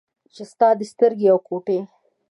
چې ستا سترګې او ګوټې